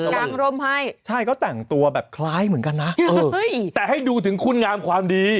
กลางร่มให้ใช่เขาแต่งตัวแบบคล้ายเหมือนกันนะแต่ให้ดูถึงคุณงามความดี